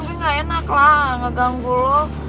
gue gak enak lah gak ganggu lo